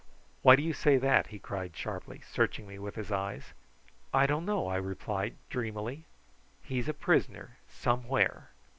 "Why do you say that?" he cried sharply, searching me with his eyes. "I don't know," I replied dreamily. "He's a prisoner somewhere."